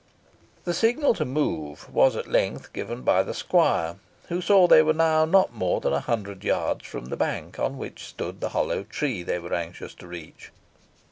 The signal to move was, at length, given by the squire, who saw they were now not more than a hundred yards from the bank on which stood the hollow tree they were anxious to reach.